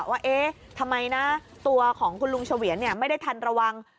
ว่าเอ๊ะทำไมนะตัวของคุณลุงเฉวียนไม่ได้ทันระวัง